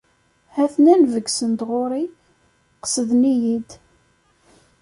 Ha-ten-an beggsen-d ɣur-i, qesden-iyi-d.